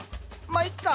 まあいっか。